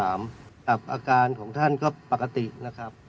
อาการของท่านก็ปกตินะครับ